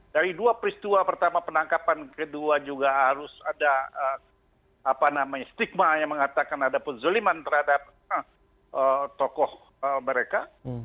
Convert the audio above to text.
dari dua peristiwa pertama penangkapan kedua juga harus ada stigma yang mengatakan ada penzoliman terhadap tokoh mereka